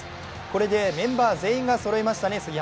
これでメンバー全員がそろいましたね。